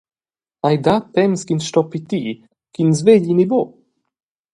Ei dat temps ch’ins sto pitir, ch’ins vegli ni buc.